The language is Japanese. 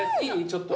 ちょっと。